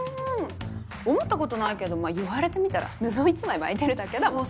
思ったことないけどまあ言われてみたら布１枚巻いてるだけだもんね。